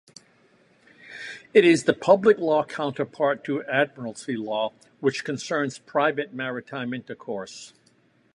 It is the public law counterpart to admiralty law, which concerns private maritime intercourse.